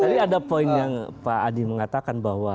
tadi ada poin yang pak adi mengatakan bahwa